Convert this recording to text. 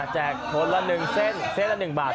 คนละ๑เส้นเส้นละ๑บาท